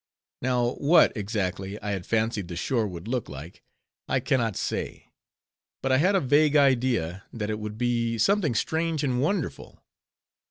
Now what, exactly, I had fancied the shore would look like, I can not say; but I had a vague idea that it would be something strange and wonderful.